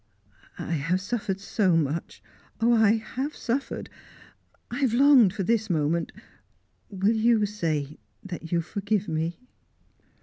"I have suffered so much oh, I have suffered! I have longed for this moment. Will you say that you forgive me?"